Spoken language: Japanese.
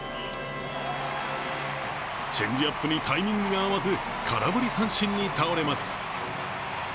チェンジアップにタイミングが合わず、空振り三振に倒れます。